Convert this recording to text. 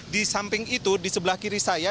di samping itu di sebelah kiri saya